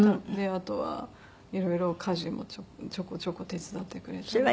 あとはいろいろ家事もちょこちょこ手伝ってくれたり。